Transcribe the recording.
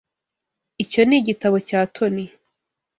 Icyo ni igitabo cya Tony.